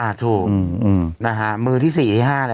อะถูกนะฮะมือที่๔๕แล้ว